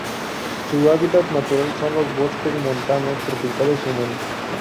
Sus hábitats naturales son los bosques montanos tropicales húmedos.